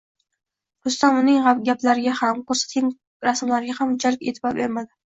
Rustam uning gaplariga ham, ko`rsatgan rasmlariga ham unchalik e`tibor bermadi